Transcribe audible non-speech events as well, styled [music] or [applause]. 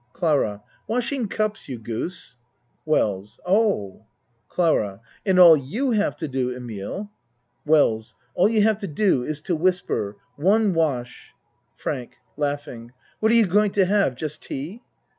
CLARA Washing cups, you goose! WELLS Oh! CLARA And all you have to do, Emile WELLS All you have to do is to whisper "One wash." FRANK [laughs] What are you going to have just tea?